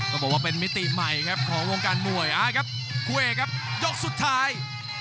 ต้องบอกว่าเป็นมิติใหม่ครับของวงการมวยอ่าครับคู่เอกครับยกสุดท้าย